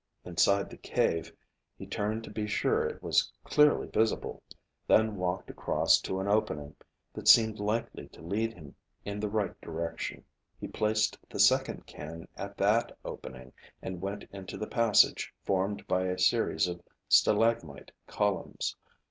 Inside the cave, he turned to be sure it was clearly visible, then walked across to an opening that seemed likely to lead him in the right direction. He placed the second can at that opening and went into the passage formed by a series of stalagmite columns.